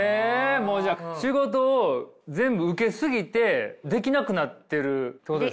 もうじゃあ仕事を全部受け過ぎてできなくなってるってことですね。